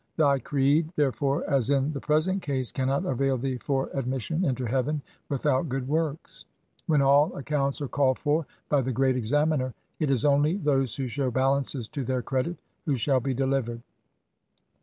Thy creed, therefore, as in the present case, cannot avail thee for admission into heaven without good works. When all accounts are called for by the Great Examiner, it is only those who show balances to their credit who shall be delivered.'